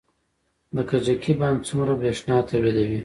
د کجکي بند څومره بریښنا تولیدوي؟